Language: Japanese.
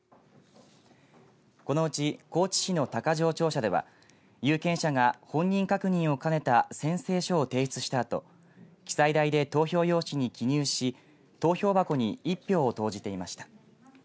このうち高知市のたかじょう庁舎では有権者が本人確認を兼ねた宣誓書を提出したあと記載台で投票用紙に記入し投票箱に１票を投じていました。